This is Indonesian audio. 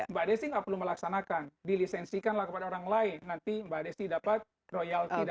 mbak desi nggak perlu melaksanakan dilisensikan lah kepada orang lain nanti mbak desi dapat royalti dari dia